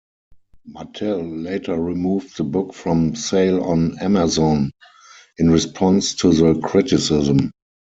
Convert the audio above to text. Mattel later removed the book from sale on Amazon in response to the criticism.